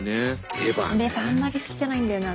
レバーあんまり好きじゃないんだよね